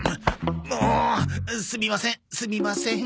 もうすみませんすみません。